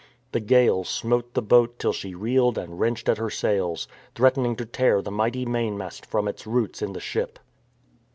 The gale smote the boat till she reeled and wrenched at her sails, threatening to tear the mighty mainmast from its roots in the ship.